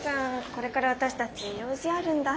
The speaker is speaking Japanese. これから私たち用事あるんだ。